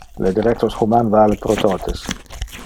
Le derectos human vale pro totes.